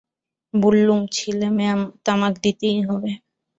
বললুম, ছিলিমে তামাক দিতেই হবে।